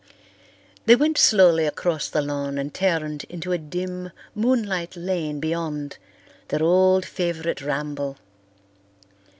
They went slowly across the lawn and turned into a dim, moonlight lane beyond, their old favourite ramble.